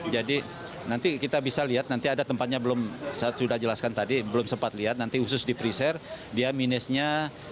jadi nanti kita bisa lihat nanti ada tempatnya belum saya sudah jelaskan tadi belum sempat lihat nanti khusus di preser dia minusnya sepuluh dua puluh lima